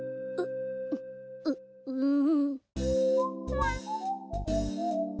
うううん。